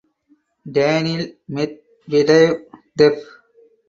Daniil Medvedev def.